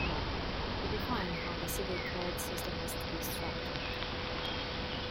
It defined how the civil court system was to be structured.